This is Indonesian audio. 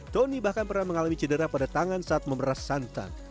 tony bahkan pernah mengalami cedera pada tangan saat memeras santan